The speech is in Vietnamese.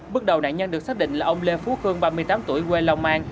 bước đầu nạn nhân được xác định là ông lê phú khương ba mươi tám tuổi quê long an